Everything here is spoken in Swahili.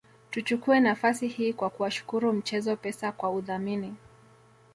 Tuchukue nafasi hii kwa kuwashukuru mchezo Pesa kwa udhamini